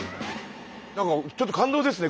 なんかちょっと感動ですね